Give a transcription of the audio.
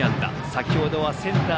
先程はセンター